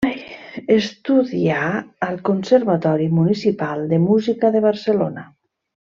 Estudià al Conservatori Municipal de Música de Barcelona.